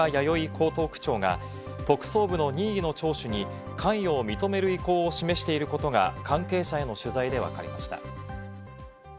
江東区長が、特捜部の任意の聴取に関与を認める意向を示していることが関係者への取材でわかりました。